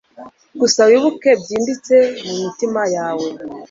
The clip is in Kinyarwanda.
gusa wibuke byimbitse mumitima yawe